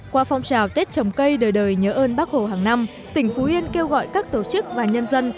qua phong trào tết trồng cây đời đời nhớ ơn bác hồ hàng năm tỉnh phú yên kêu gọi các tổ chức và nhân dân